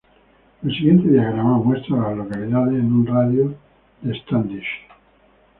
El siguiente diagrama muestra a las localidades en un radio de de Standish.